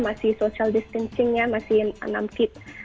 masih social distancingnya masih enam feet